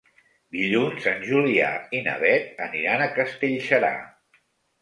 Dilluns en Julià i na Beth aniran a Castellserà.